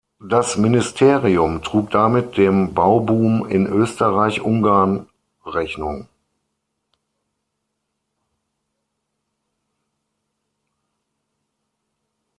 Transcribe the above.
Das Ministerium trug damit dem Bauboom in Österreich- Ungarn Rechnung.